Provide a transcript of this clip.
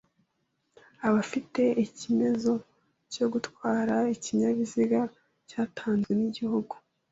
abafite icyemezo cyo gutwara ikinyabiziga cyatanzwe n’igihugu